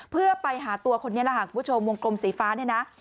เพื่อไปหาตัวคนนี้แหละค่ะคุณผู้ชมวงกลมสีฟ้าเนี่ยนะ